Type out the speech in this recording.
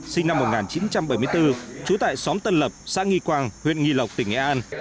sinh năm một nghìn chín trăm bảy mươi bốn trú tại xóm tân lập xã nghi quang huyện nghi lộc tỉnh nghệ an